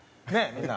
みんな。